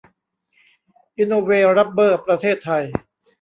อีโนเว รับเบอร์ ประเทศไทย